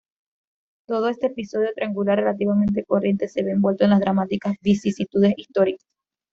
Todo este episodio triangular relativamente corriente se ve envuelto en las dramáticas vicisitudes históricas.